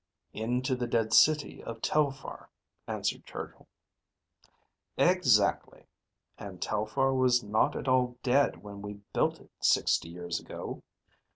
"Into the dead city of Telphar," answered Chargill. "Exactly. And Telphar was not at all dead when we built it, sixty years ago.